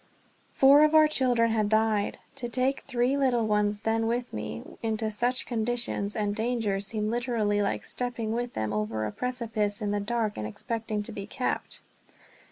Four of our children had died. To take the three little ones, then with me, into such conditions and danger seemed literally like stepping with them over a precipice in the dark and expecting to be kept.